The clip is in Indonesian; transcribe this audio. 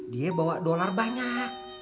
dia bawa dolar banyak